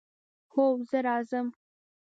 هو، زه راځم